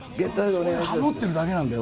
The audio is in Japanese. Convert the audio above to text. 俺、ハモっているだけなんだよ。